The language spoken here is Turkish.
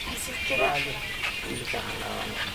Vali…